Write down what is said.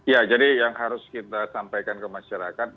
ya jadi yang harus kita sampaikan ke masyarakat